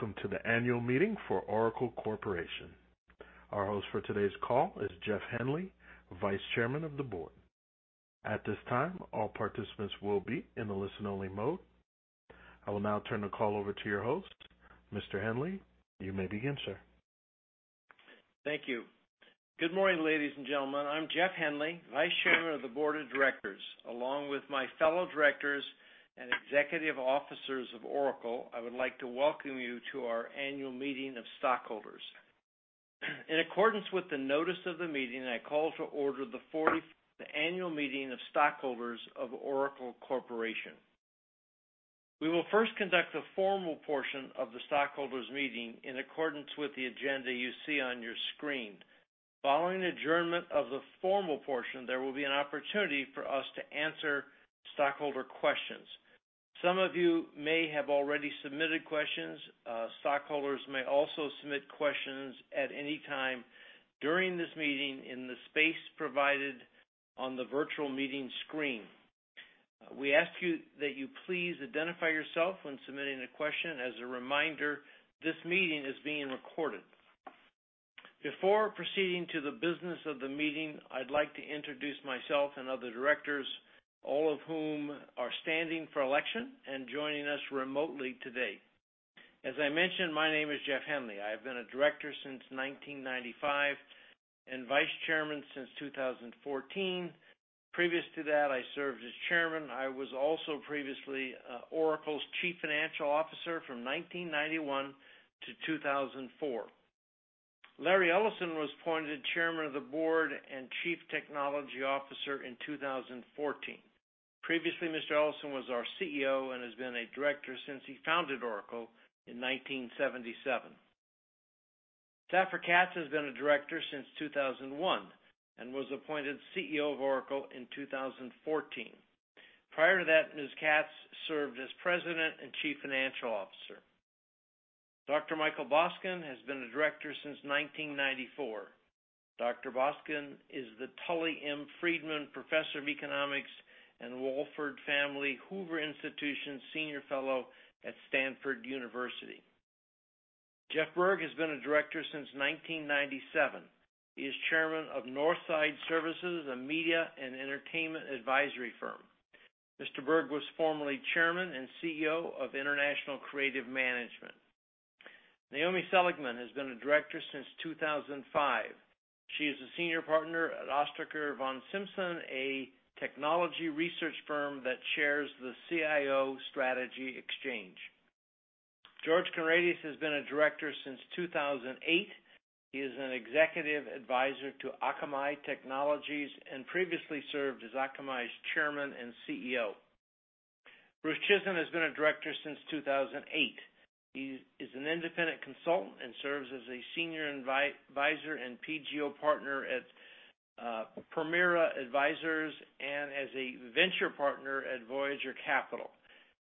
Welcome to the Annual Meeting for Oracle Corporation. Our host for today's call is Jeff Henley, Vice Chairman of the Board. At this time, all participants will be in the listen-only mode. I will now turn the call over to your host. Mr. Henley, you may begin, sir. Thank you. Good morning, ladies and gentlemen. I'm Jeff Henley, Vice Chairman of the Board of Directors. Along with my fellow Directors and Executive Officers of Oracle, I would like to welcome you to our Annual Meeting of stockholders. In accordance with the notice of the meeting, I call to order the 45th Annual Meeting of Stockholders of Oracle Corporation. We will first conduct the formal portion of the stockholders meeting in accordance with the agenda you see on your screen. Following adjournment of the formal portion, there will be an opportunity for us to answer stockholder questions. Some of you may have already submitted questions. Stockholders may also submit questions at any time during this meeting in the space provided on the virtual meeting screen. We ask you that you please identify yourself when submitting a question. As a reminder, this meeting is being recorded. Before proceeding to the business of the meeting, I'd like to introduce myself and other Directors, all of whom are standing for election and joining us remotely today. As I mentioned, my name is Jeff Henley. I have been a Director since 1995 and Vice Chairman since 2014. Previous to that, I served as Chairman. I was also previously Oracle's Chief Financial Officer from 1991 to 2004. Larry Ellison was appointed Chairman of the Board and Chief Technology Officer in 2014. Previously, Mr. Ellison was our CEO and has been a Director since he founded Oracle in 1977. Safra Catz has been a Director since 2001 and was appointed CEO of Oracle in 2014. Prior to that, Ms. Catz served as President and Chief Financial Officer. Dr. Michael Boskin has been a director since 1994. Dr. Boskin is the Tully M. Friedman Professor of Economics and Wohlford Family Hoover Institution Senior Fellow at Stanford University. Jeff Berg has been a Director since 1997. He is Chairman of Northside Services, a media and entertainment advisory firm. Mr. Berg was formerly Chairman and CEO of International Creative Management. Naomi Seligman has been a Director since 2005. She is a Senior Partner at Ostriker von Simson, a technology research firm that chairs the CIO Strategy Exchange. George Conrades has been a Director since 2008. He is an Executive Advisor to Akamai Technologies and previously served as Akamai's Chairman and CEO. Bruce Chizen has been a Director since 2008. He is an independent consultant and serves as a Senior Advisor and PGO Partner at Permira Advisers and as a venture partner at Voyager Capital.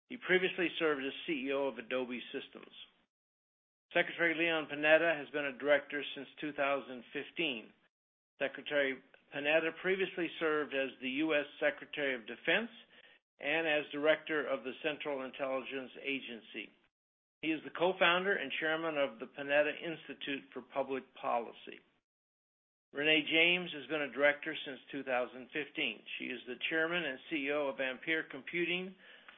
He previously served as CEO of Adobe Systems. Secretary Leon Panetta has been a Director since 2015. Secretary Panetta previously served as the U.S. Secretary of Defense and as Director of the Central Intelligence Agency. He is the Co-Founder and Chairman of the Panetta Institute for Public Policy. Renée James has been a Director since 2015. She is the Chairman and CEO of Ampere Computing,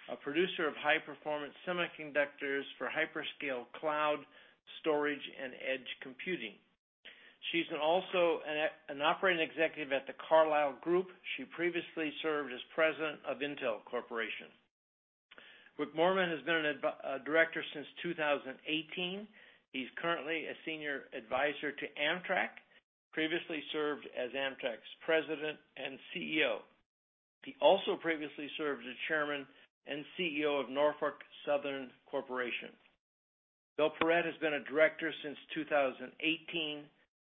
a producer of high-performance semiconductors for hyperscale cloud storage and edge computing. She's also an Operating Executive at The Carlyle Group. She previously served as President of Intel Corporation. Wick Moorman has been a Director since 2018. He's currently a Senior Advisor to Amtrak, previously served as Amtrak's President and CEO. He also previously served as Chairman and CEO of Norfolk Southern Corporation. Bill Parrett has been a Director since 2018.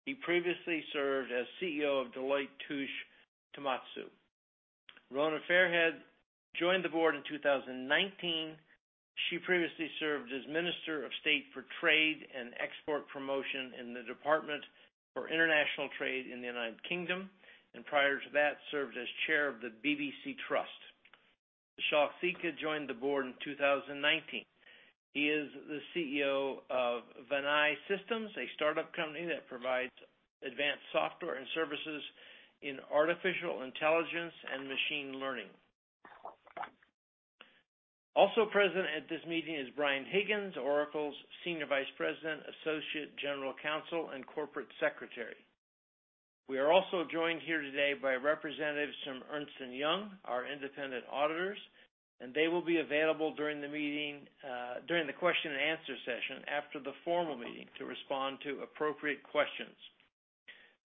He previously served as CEO of Deloitte Touche Tohmatsu. Rona Fairhead joined the Board in 2019. She previously served as Minister of State for Trade and Export Promotion in the Department for International Trade in the United Kingdom, and prior to that, served as Chair of the BBC Trust. Vishal Sikka joined the Board in 2019. He is the CEO of Vianai Systems, a startup company that provides advanced software and services in artificial intelligence and machine learning. Also present at this meeting is Brian Higgins, Oracle's Senior Vice President, Associate General Counsel, and Corporate Secretary. We are also joined here today by representatives from Ernst & Young, our independent auditors, and they will be available during the meeting, during the question and answer session after the formal meeting to respond to appropriate questions.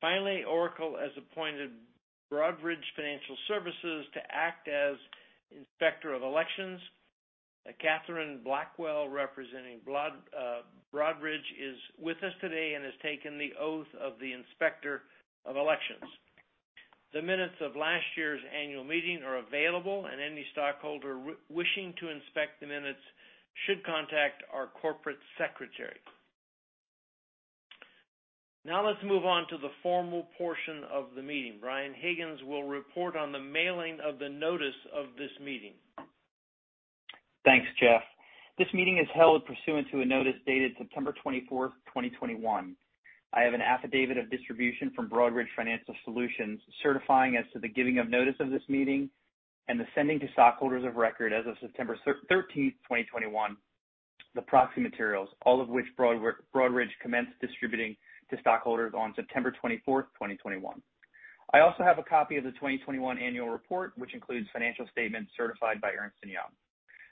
Finally, Oracle has appointed Broadridge Financial Solutions to act as Inspector of Elections. Catherine Blackwell, representing Broadridge, is with us today and has taken the oath of the Inspector of Elections. The minutes of last year's Annual Meeting are available, and any stockholder wishing to inspect the minutes should contact our corporate secretary. Now let's move on to the formal portion of the meeting. Brian Higgins will report on the mailing of the notice of this meeting. Thanks, Jeff. This meeting is held pursuant to a notice dated September 24, 2021. I have an affidavit of distribution from Broadridge Financial Solutions certifying as to the giving of notice of this meeting and the sending to stockholders of record as of September 13, 2021, the proxy materials, all of which Broadridge commenced distributing to stockholders on September 24, 2021. I also have a copy of the 2021 Annual Report, which includes financial statements certified by Ernst & Young.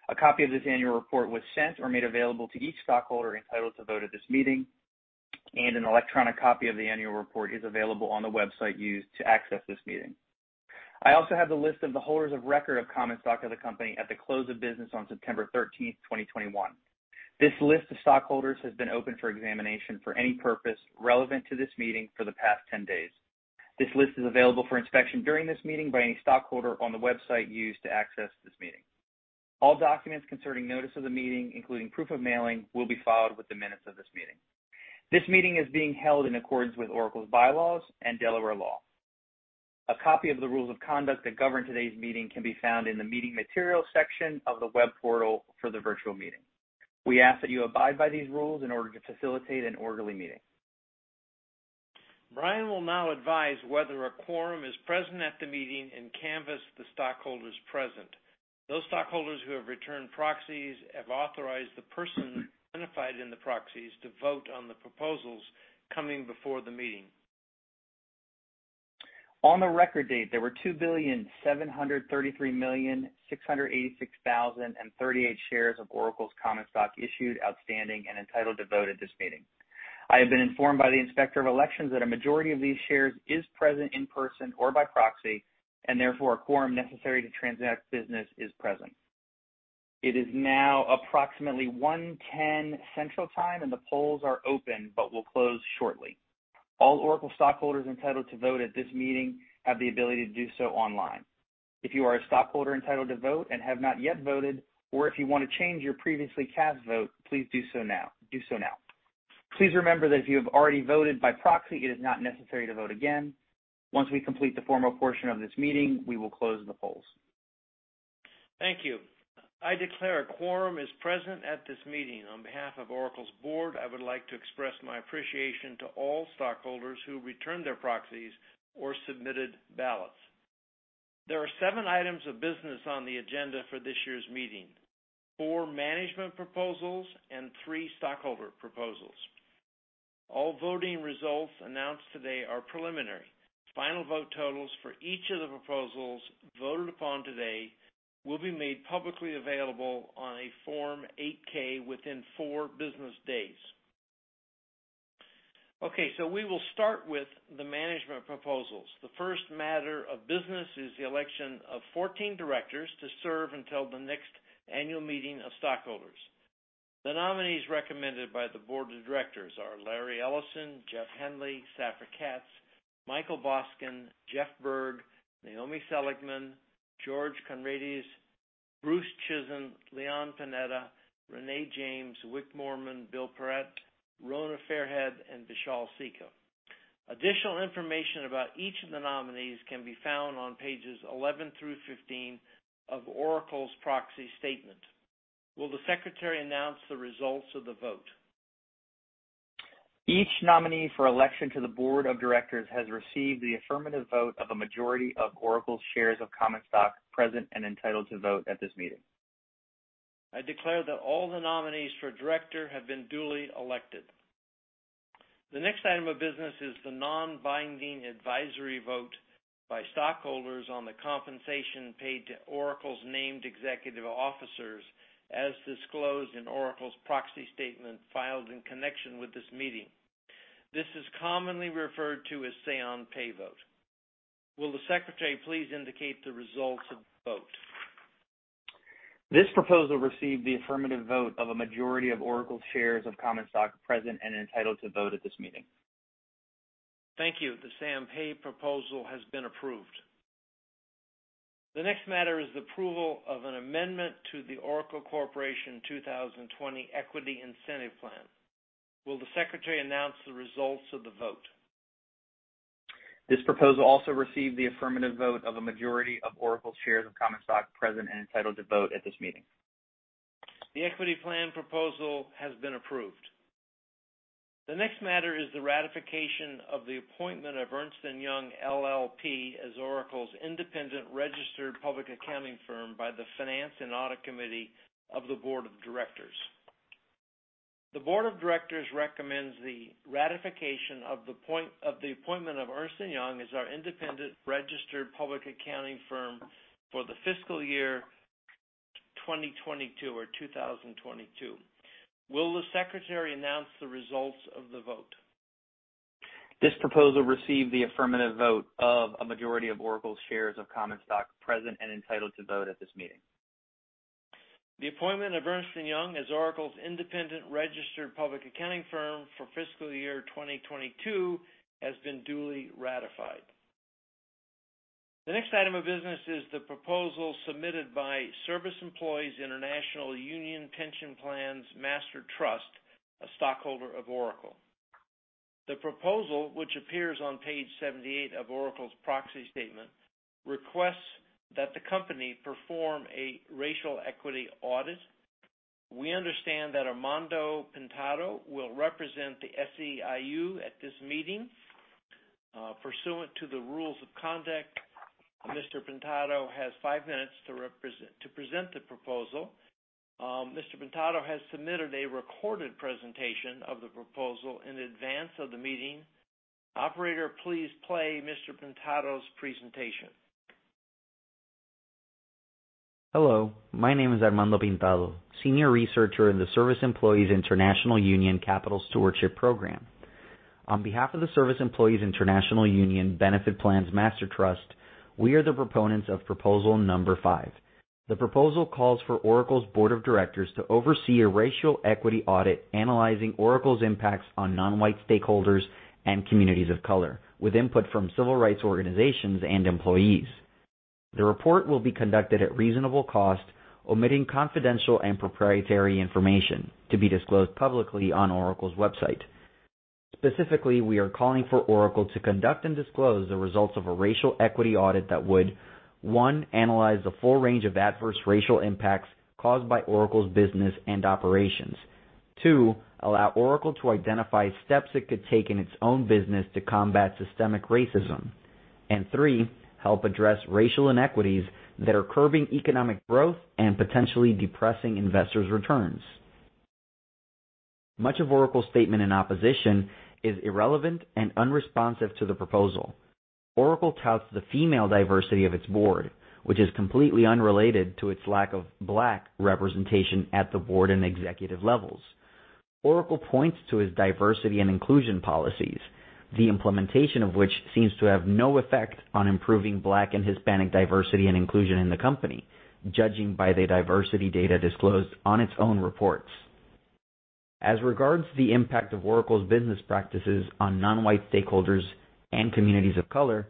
A copy of this annual report was sent or made available to each stockholder entitled to vote at this meeting, and an electronic copy of the annual report is available on the website used to access this meeting. I also have the list of the holders of record of common stock of the company at the close of business on September 13, 2021. This list of stockholders has been open for examination for any purpose relevant to this meeting for the past 10 days. This list is available for inspection during this meeting by any stockholder on the website used to access this meeting. All documents concerning notice of the meeting, including proof of mailing, will be filed with the minutes of this meeting. This meeting is being held in accordance with Oracle's bylaws and Delaware law. A copy of the rules of conduct that govern today's meeting can be found in the Meeting Materials section of the web portal for the virtual meeting. We ask that you abide by these rules in order to facilitate an orderly meeting. Brian will now advise whether a quorum is present at the meeting and canvass the stockholders present. Those stockholders who have returned proxies have authorized the person identified in the proxies to vote on the proposals coming before the meeting. On the record date, there were 2,733,686,038 shares of Oracle's common stock issued, outstanding, and entitled to vote at this meeting. I have been informed by the Inspector of Elections that a majority of these shares is present in person or by proxy, and therefore a quorum necessary to transact business is present. It is now approximately 1:10 P.M. Central Time, and the polls are open but will close shortly. All Oracle stockholders entitled to vote at this meeting have the ability to do so online. If you are a stockholder entitled to vote and have not yet voted, or if you want to change your previously cast vote, please do so now. Please remember that if you have already voted by proxy, it is not necessary to vote again. Once we complete the formal portion of this meeting, we will close the polls. Thank you. I declare a quorum is present at this meeting. On behalf of Oracle's Board, I would like to express my appreciation to all stockholders who returned their proxies or submitted ballots. There are seven items of business on the agenda for this year's meeting, four management proposals and three stockholder proposals. All voting results announced today are preliminary. Final vote totals for each of the proposals voted upon today will be made publicly available on a Form 8-K within four business days. Okay, we will start with the management proposals. The first matter of business is the election of 14 Directors to serve until the next annual meeting of stockholders. The nominees recommended by the Board of Directors are Larry Ellison, Jeff Henley, Safra Catz, Michael Boskin, Jeff Berg, Naomi Seligman, George Conrades, Bruce Chizen, Leon Panetta, Renée James, Wick Moorman, Bill Parrett, Rona Fairhead, and Vishal Sikka. Additional information about each of the nominees can be found on pages 11 through 15 of Oracle's proxy statement. Will the Secretary announce the results of the vote? Each nominee for election to the Board of Directors has received the affirmative vote of a majority of Oracle's shares of common stock present and entitled to vote at this meeting. I declare that all the nominees for Director have been duly elected. The next item of business is the non-binding advisory vote by stockholders on the compensation paid to Oracle's named Executive Officers, as disclosed in Oracle's proxy statement filed in connection with this meeting. This is commonly referred to as say on pay vote. Will the Secretary please indicate the results of the vote? This proposal received the affirmative vote of a majority of Oracle's shares of common stock present and entitled to vote at this meeting. Thank you. The say on pay proposal has been approved. The next matter is the approval of an amendment to the Oracle Corporation 2020 Equity Incentive Plan. Will the Secretary announce the results of the vote? This proposal also received the affirmative vote of a majority of Oracle's shares of common stock present and entitled to vote at this meeting. The equity plan proposal has been approved. The next matter is the ratification of the appointment of Ernst & Young LLP as Oracle's independent registered public accounting firm by the Finance and Audit Committee of the Board of Directors. The Board of Directors recommends the ratification of the appointment of Ernst & Young as our independent registered public accounting firm for the fiscal year 2022. Will the Secretary announce the results of the vote? This proposal received the affirmative vote of a majority of Oracle's shares of common stock present and entitled to vote at this meeting. The appointment of Ernst & Young as Oracle's independent registered public accounting firm for fiscal year 2022 has been duly ratified. The next item of business is the proposal submitted by Service Employees International Union Pension Plans Master Trust, a stockholder of Oracle. The proposal, which appears on page 78 of Oracle's proxy statement, requests that the company perform a racial equity audit. We understand that Armando Pintado will represent the SEIU at this meeting. Pursuant to the rules of conduct, Mr. Pintado has five minutes to present the proposal. Mr. Pintado has submitted a recorded presentation of the proposal in advance of the meeting. Operator, please play Mr. Pintado's presentation. Hello, my name is Armando Pintado, Senior Researcher in the Service Employees International Union Capital Stewardship Program. On behalf of the Service Employees International Union Benefit Plans Master Trust, we are the proponents of proposal number five. The proposal calls for Oracle's board of directors to oversee a racial equity audit analyzing Oracle's impacts on non-white stakeholders and communities of color, with input from civil rights organizations and employees. The report will be conducted at reasonable cost, omitting confidential and proprietary information to be disclosed publicly on Oracle's website. Specifically, we are calling for Oracle to conduct and disclose the results of a racial equity audit that would, one, analyze the full range of adverse racial impacts caused by Oracle's business and operations. Two, allow Oracle to identify steps it could take in its own business to combat systemic racism. Three, help address racial inequities that are curbing economic growth and potentially depressing investors' returns. Much of Oracle's statement in opposition is irrelevant and unresponsive to the proposal. Oracle touts the female diversity of its Board, which is completely unrelated to its lack of Black representation at the Board and executive levels. Oracle points to its diversity and inclusion policies, the implementation of which seems to have no effect on improving Black and Hispanic diversity and inclusion in the company, judging by the diversity data disclosed on its own reports. As regards to the impact of Oracle's business practices on non-white stakeholders and communities of color,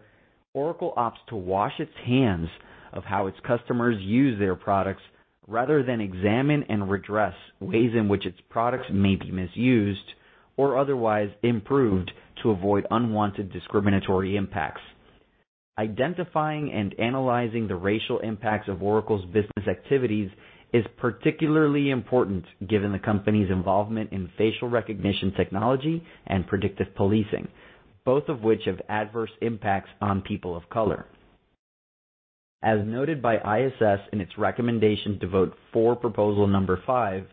Oracle opts to wash its hands of how its customers use their products rather than examine and redress ways in which its products may be misused or otherwise improved to avoid unwanted discriminatory impacts. Identifying and analyzing the racial impacts of Oracle's business activities is particularly important given the company's involvement in facial recognition technology and predictive policing, both of which have adverse impacts on people of color. As noted by ISS in its recommendation to vote for Proposal No. 5,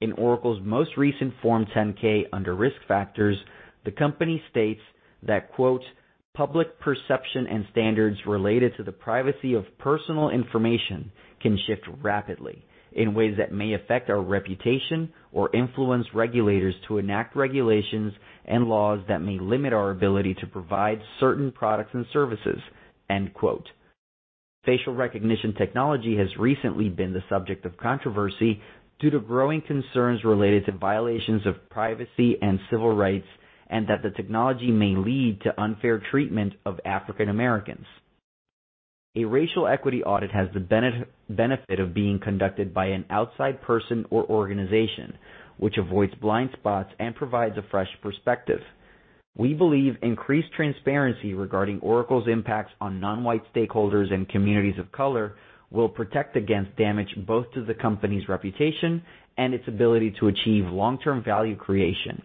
in Oracle's most recent Form 10-K under Risk Factors, the company states that, quote, Public perception and standards related to the privacy of personal information can shift rapidly in ways that may affect our reputation or influence regulators to enact regulations and laws that may limit our ability to provide certain products and services. End quote. Facial recognition technology has recently been the subject of controversy due to growing concerns related to violations of privacy and civil rights, and that the technology may lead to unfair treatment of African Americans. A racial equity audit has the benefit of being conducted by an outside person or organization, which avoids blind spots and provides a fresh perspective. We believe increased transparency regarding Oracle's impacts on non-white stakeholders and communities of color will protect against damage both to the company's reputation and its ability to achieve long-term value creation.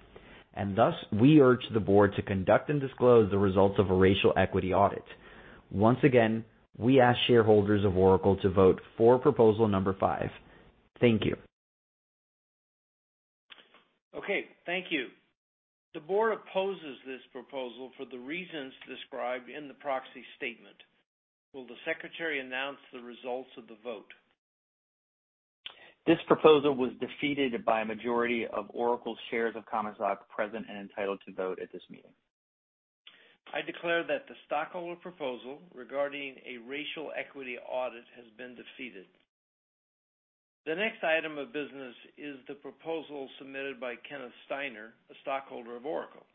Thus, we urge the board to conduct and disclose the results of a racial equity audit. Once again, we ask shareholders of Oracle to vote for Proposal No. 5. Thank you. Okay. Thank you. The Board opposes this proposal for the reasons described in the proxy statement. Will the Secretary announce the results of the vote? This proposal was defeated by a majority of Oracle's shares of common stock present and entitled to vote at this meeting. I declare that the stockholder proposal regarding a racial equity audit has been defeated. The next item of business is the proposal submitted by Kenneth Steiner, a stockholder of Oracle.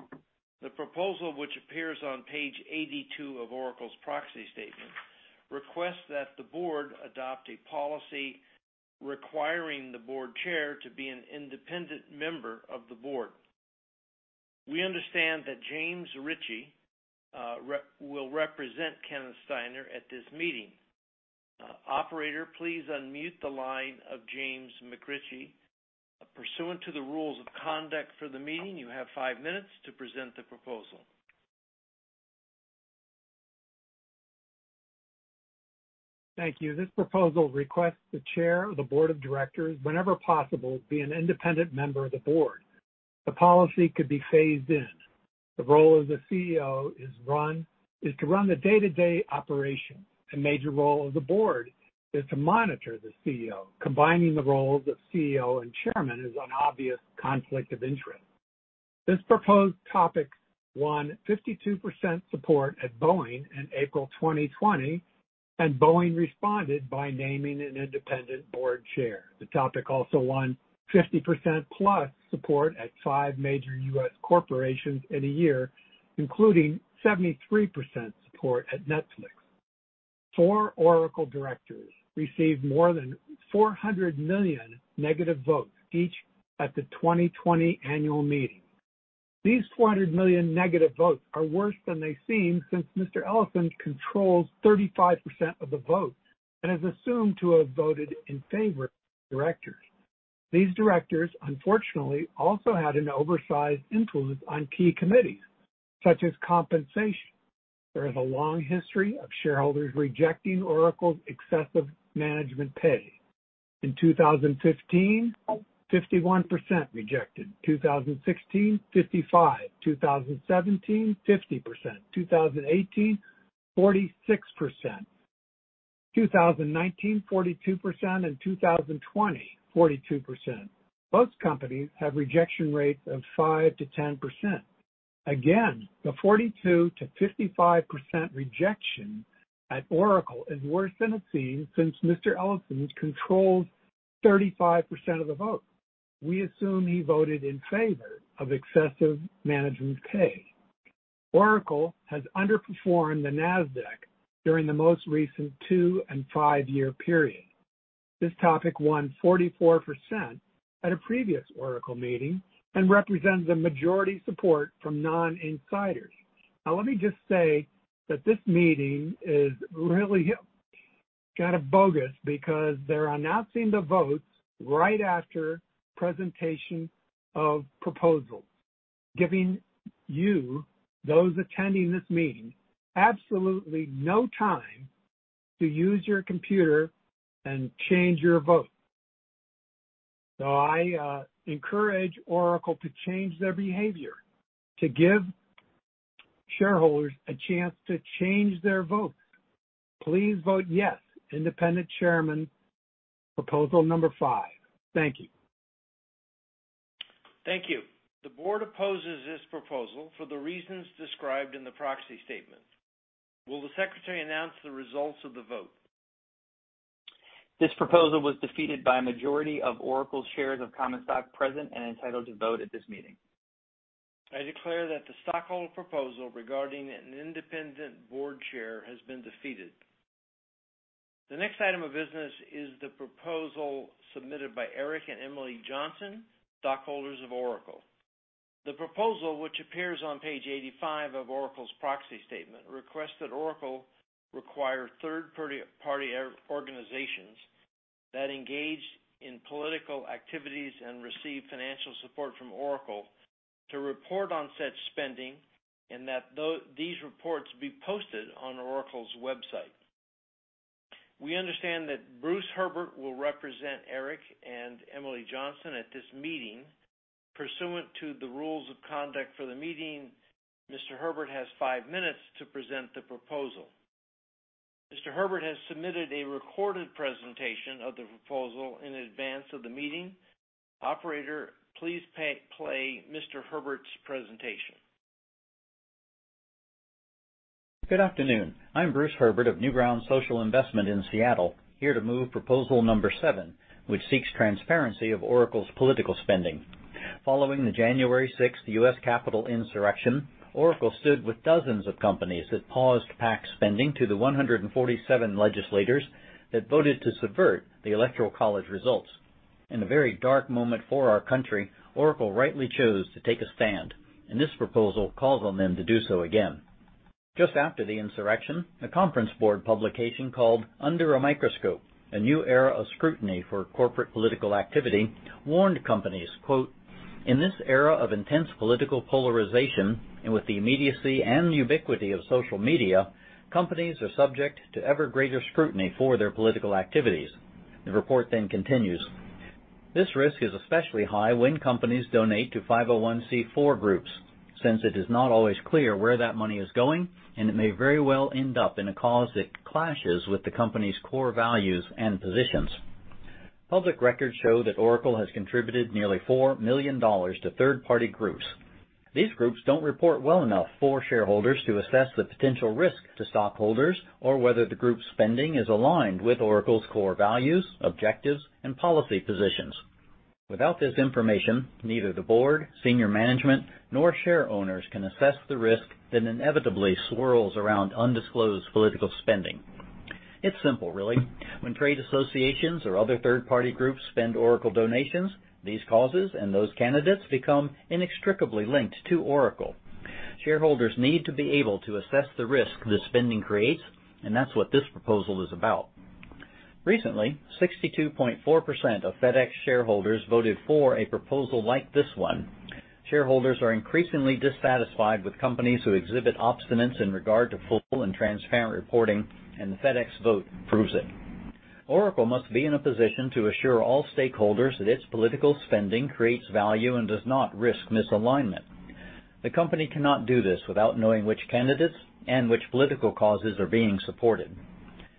The proposal, which appears on page 82 of Oracle's proxy statement, requests that the board adopt a policy requiring the board chair to be an independent member of the board. We understand that James McRitchie, rep, will represent Kenneth Steiner at this meeting. Operator, please unmute the line of James McRitchie. Pursuant to the rules of conduct for the meeting, you have five minutes to present the proposal. Thank you. This proposal requests the Chair of the Board of Directors, whenever possible, be an independent member of the board. The policy could be phased in. The role of the CEO is to run the day-to-day operation. A major role of the Board is to monitor the CEO. Combining the roles of CEO and Chairman is an obvious conflict of interest. This proposed topic won 52% support at Boeing in April 2020. Boeing responded by naming an independent Board Chair. The topic also won 50% plus support at five major U.S. corporations in a year, including 73% support at Netflix. Four Oracle directors received more than -400 million votes each at the 2020 Annual Meeting. These -400 million votes are worse than they seem since Mr. Ellison controls 35% of the vote and is assumed to have voted in favor of the Directors. These Directors, unfortunately, also had an oversized influence on key committees, such as compensation. There is a long history of shareholders rejecting Oracle's excessive management pay. In 2015, 51% rejected. 2016, 55%. 2017, 50%. 2018, 46%. 2019, 42%. In 2020, 42%. Most companies have rejection rates of 5%-10%. Again, the 42%-55% rejection at Oracle is worse than it seems since Mr. Ellison controls 35% of the vote. We assume he voted in favor of excessive management pay. Oracle has underperformed the Nasdaq during the most recent two and five-year period. This topic won 44% at a previous Oracle meeting and represents a majority support from non-insiders. Now, let me just say that this meeting is really kind of bogus because they're announcing the votes right after presentation of proposals, giving you, those attending this meeting, absolutely no time to use your computer and change your vote. I encourage Oracle to change their behavior, to give shareholders a chance to change their vote. Please vote yes. Independent chairman, Proposal No. 5. Thank you. Thank you. The Board opposes this proposal for the reasons described in the proxy statement. Will the Secretary announce the results of the vote? This proposal was defeated by a majority of Oracle's shares of common stock present and entitled to vote at this meeting. I declare that the stockholder proposal regarding an independent Board Chair has been defeated. The next item of business is the proposal submitted by Eric and Emily Johnson, stockholders of Oracle. The proposal, which appears on page 85 of Oracle's proxy statement, requests that Oracle require third-party organizations that engage in political activities and receive financial support from Oracle to report on such spending and that these reports be posted on Oracle's website. We understand that Bruce Herbert will represent Eric and Emily Johnson at this meeting. Pursuant to the rules of conduct for the meeting, Mr. Herbert has five minutes to present the proposal. Mr. Herbert has submitted a recorded presentation of the proposal in advance of the meeting. Operator, please play Mr. Herbert's presentation. Good afternoon. I'm Bruce Herbert of Newground Social Investment in Seattle, here to move proposal number seven, which seeks transparency of Oracle's political spending. Following the January sixth U.S. Capitol insurrection, Oracle stood with dozens of companies that paused PAC spending to the 147 legislators that voted to subvert the Electoral College results. In a very dark moment for our country, Oracle rightly chose to take a stand, and this proposal calls on them to do so again. Just after the insurrection, a conference board publication called Under a Microscope: A New Era of Scrutiny for Corporate Political Activity warned companies, quote, In this era of intense political polarization and with the immediacy and ubiquity of social media, companies are subject to ever greater scrutiny for their political activities. The report then continues, This risk is especially high when companies donate to 501(c)(4) groups, since it is not always clear where that money is going, and it may very well end up in a cause that clashes with the company's core values and positions. Public records show that Oracle has contributed nearly $4 million to third-party groups. These groups don't report well enough for shareholders to assess the potential risk to stockholders or whether the group's spending is aligned with Oracle's core values, objectives, and policy positions. Without this information, neither the Board, Senior Management, nor shareholders can assess the risk that inevitably swirls around undisclosed political spending. It's simple, really. When trade associations or other third-party groups spend Oracle donations, these causes and those candidates become inextricably linked to Oracle. Shareholders need to be able to assess the risk the spending creates, and that's what this proposal is about. Recently, 62.4% of FedEx shareholders voted for a proposal like this one. Shareholders are increasingly dissatisfied with companies who exhibit obstinacy in regard to full and transparent reporting, and the FedEx vote proves it. Oracle must be in a position to assure all stakeholders that its political spending creates value and does not risk misalignment. The company cannot do this without knowing which candidates and which political causes are being supported.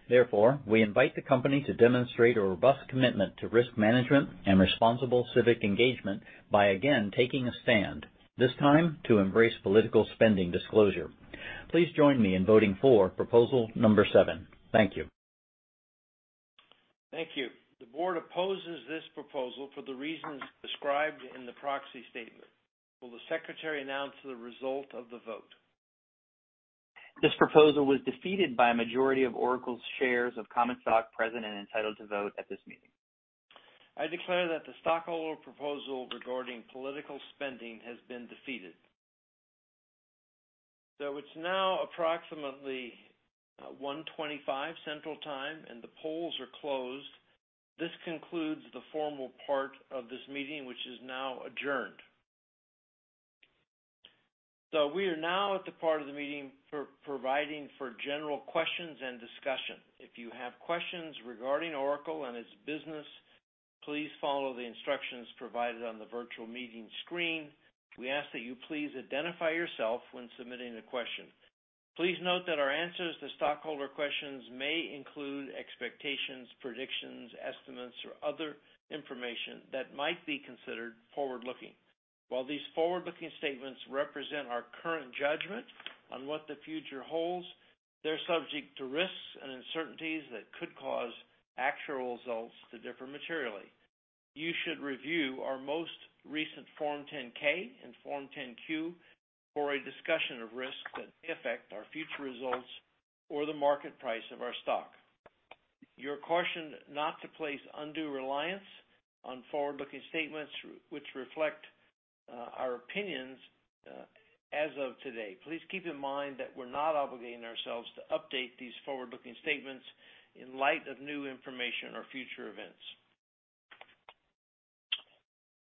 Therefore, we invite the company to demonstrate a robust commitment to risk management and responsible civic engagement by again taking a stand, this time to embrace political spending disclosure. Please join me in voting for Proposal No. 7. Thank you. Thank you. The Board opposes this proposal for the reasons described in the proxy statement. Will the Secretary announce the result of the vote? This proposal was defeated by a majority of Oracle's shares of common stock present and entitled to vote at this meeting. I declare that the stockholder proposal regarding political spending has been defeated. It's now approximately 1:25 P.M. Central Time, and the polls are closed. This concludes the formal part of this meeting, which is now adjourned. We are now at the part of the meeting for providing for general questions and discussion. If you have questions regarding Oracle and its business, please follow the instructions provided on the virtual meeting screen. We ask that you please identify yourself when submitting a question. Please note that our answers to stockholder questions may include expectations, predictions, estimates, or other information that might be considered forward-looking. While these forward-looking statements represent our current judgment on what the future holds, they're subject to risks and uncertainties that could cause actual results to differ materially. You should review our most recent Form 10-K and Form 10-Q for a discussion of risks that may affect our future results or the market price of our stock. You're cautioned not to place undue reliance on forward-looking statements which reflect our opinions as of today. Please keep in mind that we're not obligating ourselves to update these forward-looking statements in light of new information or future events.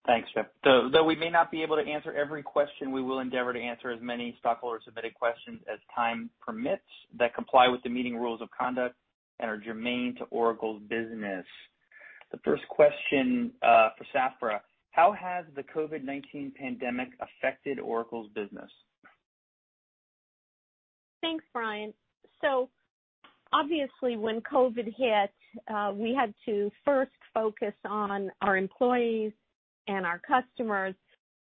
Thanks, Jeff. Though we may not be able to answer every question, we will endeavor to answer as many stockholder-submitted questions as time permits that comply with the meeting rules of conduct and are germane to Oracle's business. The first question for Safra, how has the COVID-19 pandemic affected Oracle's business? Thanks, Brian. Obviously, when COVID hit, we had to first focus on our employees and our customers,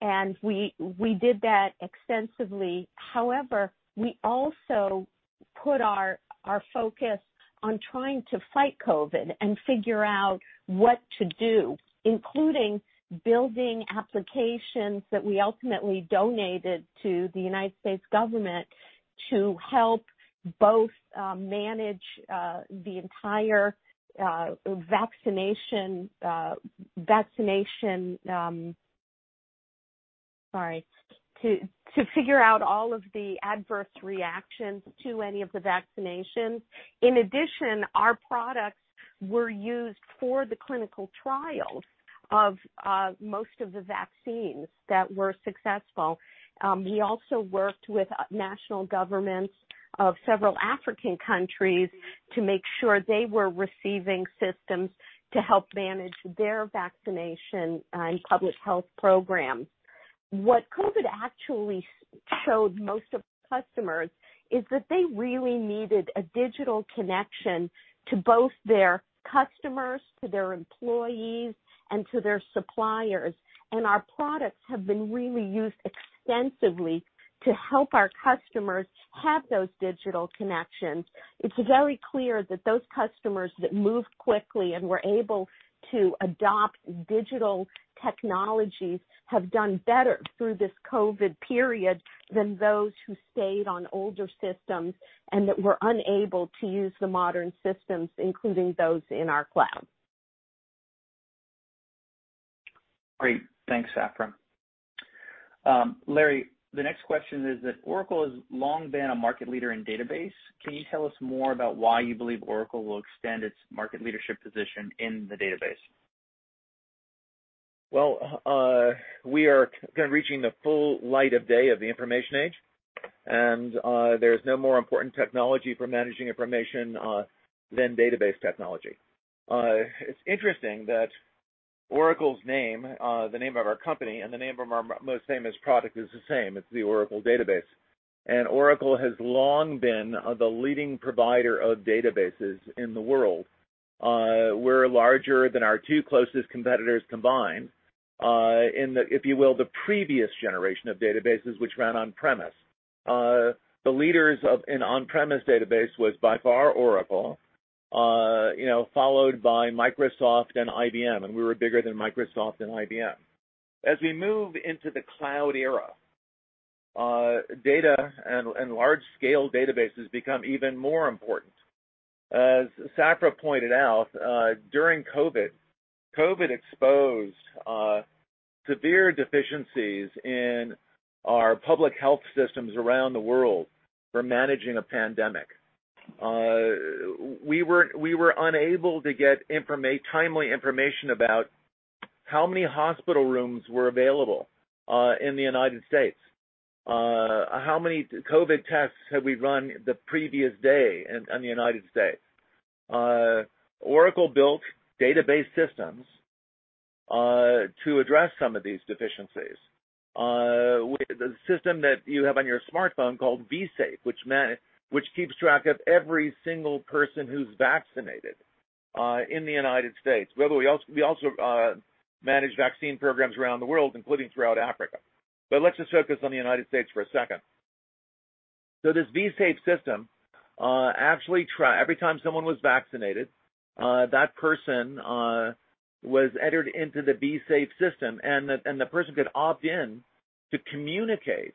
and we did that extensively. However, we also put our focus on trying to fight COVID and figure out what to do, including building applications that we ultimately donated to the United States government to help both manage the entire vaccination and figure out all of the adverse reactions to any of the vaccinations. In addition, our products were used for the clinical trials of most of the vaccines that were successful. We also worked with national governments of several African countries to make sure they were receiving systems to help manage their vaccination and public health programs. What COVID actually showed most of our customers is that they really needed a digital connection to both their customers, to their employees, and to their suppliers. Our products have been really used extensively to help our customers have those digital connections. It's very clear that those customers that moved quickly and were able to adopt digital technologies have done better through this COVID period than those who stayed on older systems and that were unable to use the modern systems, including those in our cloud. Great. Thanks, Safra. Larry, the next question is that Oracle has long been a market leader in database. Can you tell us more about why you believe Oracle will extend its market leadership position in the database? Well, we are kind of reaching the full light of day of the information age, and there's no more important technology for managing information than database technology. It's interesting that Oracle's name, the name of our company and the name of our most famous product is the same. It's the Oracle Database. Oracle has long been the leading provider of databases in the world. We're larger than our two closest competitors combined, in, if you will, the previous generation of databases, which ran on-premise. The leaders of an on-premise database was by far Oracle, you know, followed by Microsoft and IBM, and we were bigger than Microsoft and IBM. As we move into the cloud era, data and large-scale databases become even more important. As Safra pointed out, during COVID exposed severe deficiencies in our public health systems around the world for managing a pandemic. We were unable to get timely information about how many hospital rooms were available in the United States. How many COVID tests had we run the previous day in the United States? Oracle built database systems to address some of these deficiencies with the system that you have on your smartphone called V-safe, which keeps track of every single person who's vaccinated in the United States. By the way, we also manage vaccine programs around the world, including throughout Africa. Let's just focus on the United States for a second. This V-safe system actually every time someone was vaccinated that person was entered into the V-safe system, and the person could opt in to communicate,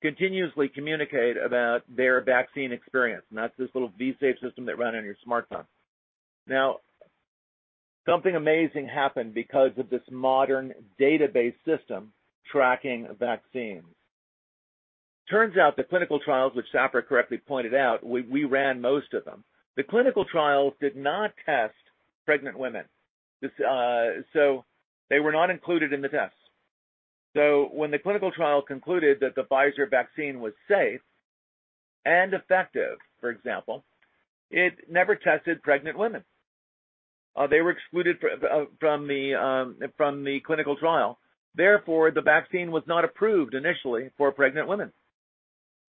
continuously communicate about their vaccine experience. That's this little V-safe system that ran on your smartphone. Now, something amazing happened because of this modern database system tracking vaccines. Turns out the clinical trials, which Safra correctly pointed out, we ran most of them. The clinical trials did not test pregnant women. They were not included in the tests. When the clinical trial concluded that the Pfizer vaccine was safe and effective, for example, it never tested pregnant women. They were excluded from the clinical trial. Therefore, the vaccine was not approved initially for pregnant women.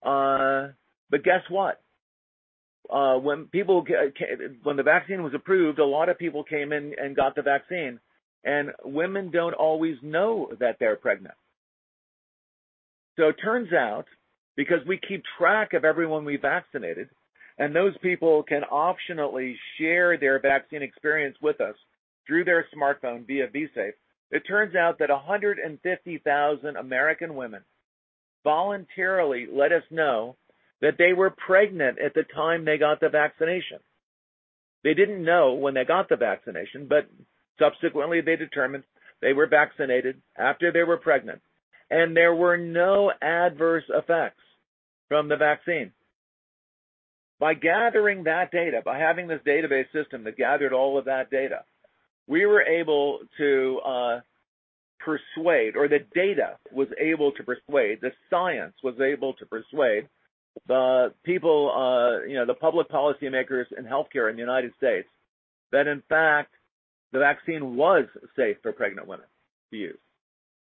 Guess what? When the vaccine was approved, a lot of people came in and got the vaccine, and women don't always know that they're pregnant. It turns out, because we keep track of everyone we vaccinated, and those people can optionally share their vaccine experience with us through their smartphone via V-safe, it turns out that 150,000 American women voluntarily let us know that they were pregnant at the time they got the vaccination. They didn't know when they got the vaccination, but subsequently, they determined they were vaccinated after they were pregnant, and there were no adverse effects from the vaccine. By gathering that data, by having this database system that gathered all of that data, we were able to persuade, or the data was able to persuade, the science was able to persuade the people, you know, the public policymakers in healthcare in the United States, that in fact, the vaccine was safe for pregnant women to use.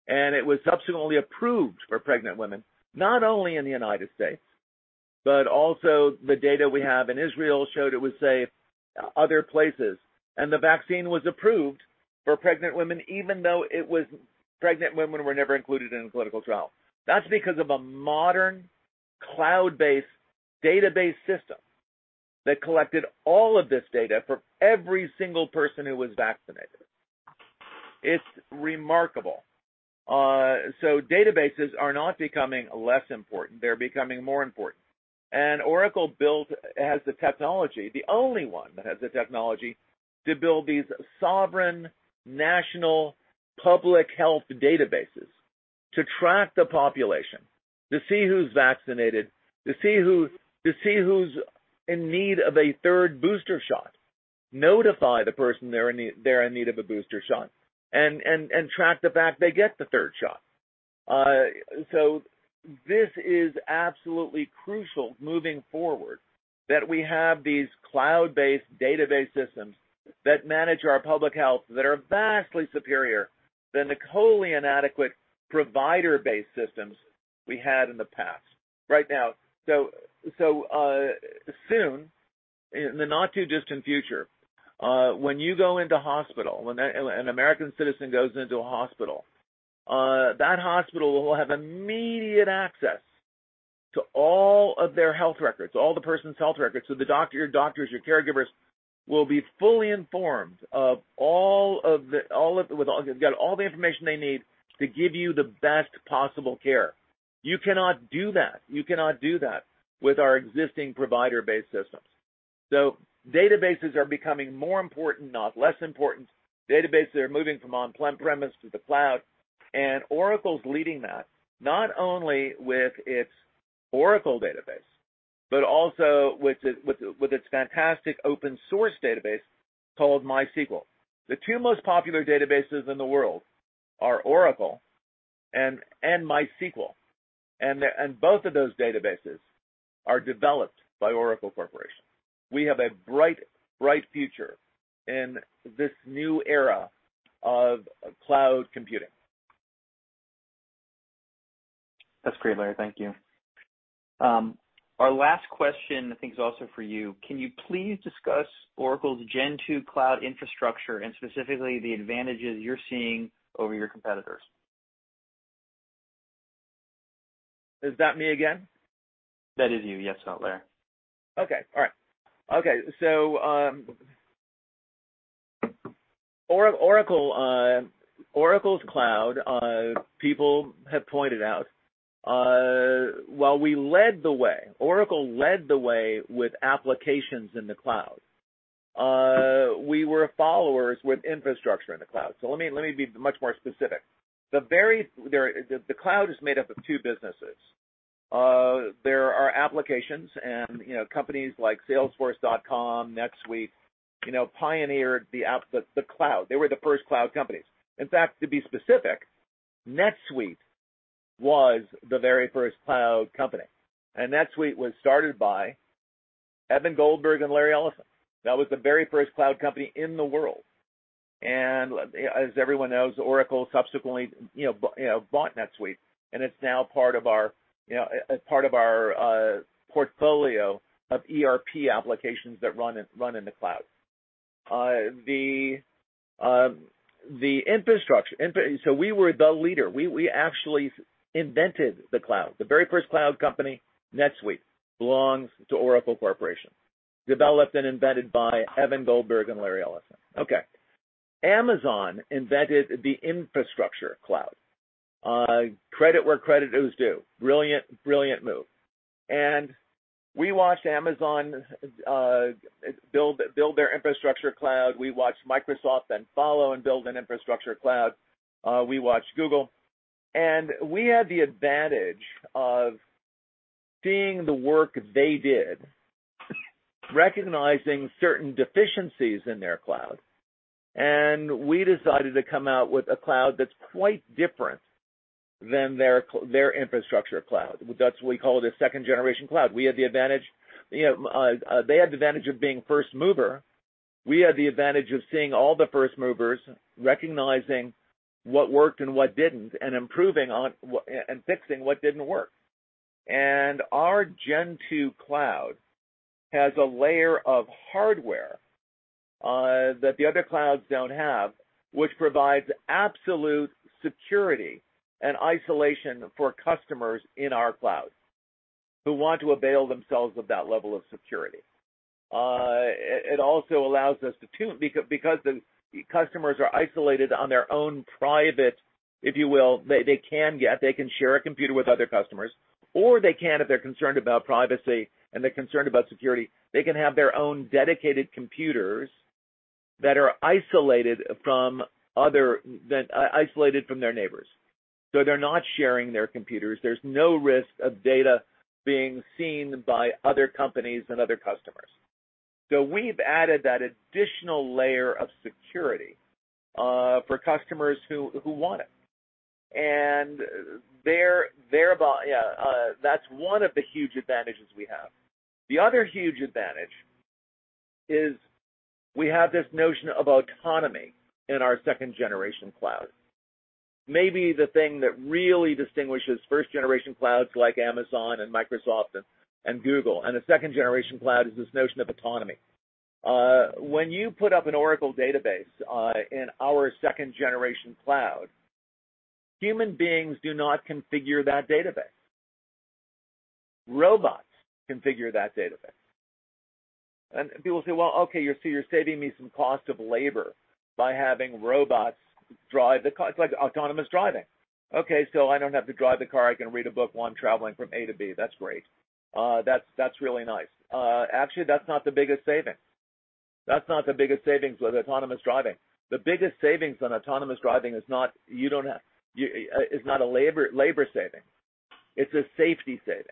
It was subsequently approved for pregnant women, not only in the United States, but also the data we have in Israel showed it was safe other places. The vaccine was approved for pregnant women, even though pregnant women were never included in the clinical trial. That's because of a modern, cloud-based database system that collected all of this data for every single person who was vaccinated. It's remarkable. Databases are not becoming less important. They're becoming more important. Oracle built has the technology, the only one that has the technology to build these sovereign national public health databases to track the population, to see who's vaccinated, to see who's in need of a third booster shot, notify the person they're in need of a booster shot, and track the fact they get the third shot. This is absolutely crucial moving forward, that we have these cloud-based database systems that manage our public health, that are vastly superior than the totally inadequate provider-based systems we had in the past. Right now, soon, in the not-too-distant future, when you go into hospital, when an American citizen goes into a hospital, that hospital will have immediate access to all of their health records, all the person's health records. The doctor, your doctors, your caregivers will be fully informed. They've got all the information they need to give you the best possible care. You cannot do that with our existing provider-based systems. Databases are becoming more important, not less important. Databases are moving from on-premises to the cloud, and Oracle is leading that, not only with its Oracle Database, but also with its fantastic open source database called MySQL. The two most popular databases in the world are Oracle and MySQL. Both of those databases are developed by Oracle Corporation. We have a bright future in this new era of cloud computing. That's great, Larry. Thank you. Our last question, I think, is also for you. Can you please discuss Oracle's Gen 2 Cloud infrastructure and specifically the advantages you're seeing over your competitors? Is that me again? That is you. Yes, Larry. Oracle's cloud, people have pointed out, while we led the way, Oracle led the way with applications in the cloud, we were followers with infrastructure in the cloud. Let me be much more specific. The cloud is made up of two businesses. There are applications and, you know, companies like Salesforce.com, NetSuite, you know, pioneered the app, the cloud. They were the first cloud companies. In fact, to be specific, NetSuite was the very first cloud company. NetSuite was started by Evan Goldberg and Larry Ellison. That was the very first cloud company in the world. As everyone knows, Oracle subsequently bought NetSuite, and it's now part of our portfolio of ERP applications that run in the cloud. We were the leader. We actually invented the cloud. The very first cloud company, NetSuite, belongs to Oracle Corporation, developed and invented by Evan Goldberg and Larry Ellison. Okay. Amazon invented the infrastructure cloud. Credit where credit is due. Brilliant move. We watched Amazon build their infrastructure cloud. We watched Microsoft then follow and build an infrastructure cloud. We watched Google. We had the advantage of seeing the work they did, recognizing certain deficiencies in their cloud, and we decided to come out with a cloud that's quite different than their infrastructure cloud. That's why we call it a Second-Generation cloud. We had the advantage. You know, they had the advantage of being first mover. We had the advantage of seeing all the first movers, recognizing what worked and what didn't, and improving on what and fixing what didn't work. Our Gen 2 Cloud has a layer of hardware that the other clouds don't have, which provides absolute security and isolation for customers in our cloud who want to avail themselves of that level of security. It also allows us to tune. Because the customers are isolated on their own private, if you will, they can. They can share a computer with other customers, or they can, if they're concerned about privacy and they're concerned about security, they can have their own dedicated computers that are isolated from other that isolated from their neighbors. They're not sharing their computers. There's no risk of data being seen by other companies and other customers. We've added that additional layer of security for customers who want it. That's one of the huge advantages we have. The other huge advantage is we have this notion of autonomy in our Second-Generation cloud. Maybe the thing that really distinguishes First-Generation clouds like Amazon and Microsoft and Google and the Second-Generation cloud is this notion of autonomy. When you put up an Oracle Database in our Second-Generation cloud, human beings do not configure that database. Robots configure that database. People say, "Well, okay, you're saving me some cost of labor by having robots drive the car." It's like autonomous driving. Okay, so I don't have to drive the car. I can read a book while I'm traveling from A to B. That's great. That's really nice. Actually, that's not the biggest saving. That's not the biggest savings with autonomous driving. The biggest savings on autonomous driving is not a labor saving. It's a safety saving.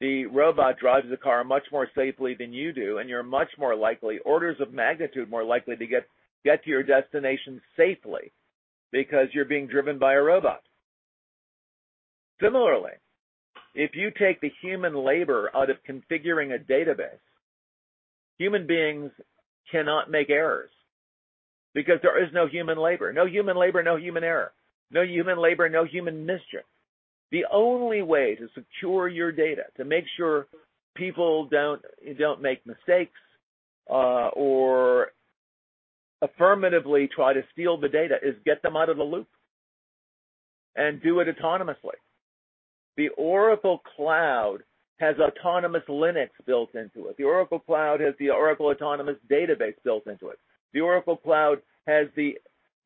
The robot drives the car much more safely than you do, and you're much more likely, orders of magnitude more likely, to get to your destination safely because you're being driven by a robot. Similarly, if you take the human labor out of configuring a database, human beings cannot make errors because there is no human labor. No human labor, no human error. No human labor, no human mischief. The only way to secure your data, to make sure people don't make mistakes or affirmatively try to steal the data is get them out of the loop and do it autonomously. The Oracle Cloud has autonomous Linux built into it. The Oracle Cloud has the Oracle Autonomous Database built into it. The Oracle Cloud has the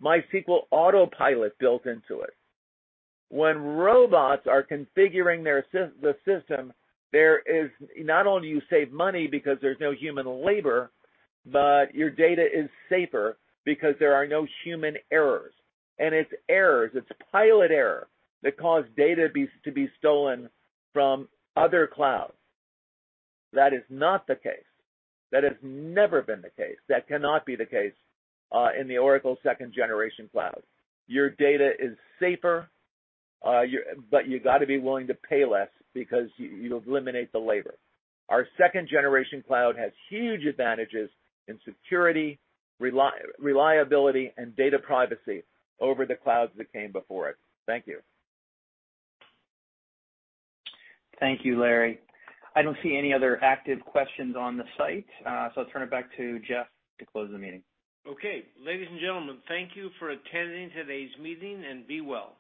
MySQL Autopilot built into it. When robots are configuring the system, not only you save money because there's no human labor, but your data is safer because there are no human errors. It's pilot error that cause data to be stolen from other clouds. That is not the case. That has never been the case. That cannot be the case in the Oracle Second-Generation cloud. Your data is safer, your You gotta be willing to pay less because you'll eliminate the labor. Our Second-Generation cloud has huge advantages in security, reliability, and data privacy over the clouds that came before it. Thank you. Thank you, Larry. I don't see any other active questions on the site, so I'll turn it back to Jeff to close the meeting. Okay. Ladies and gentlemen, thank you for attending today's meeting, and be well.